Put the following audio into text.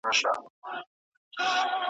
سفر نوي معلومات ورکوي.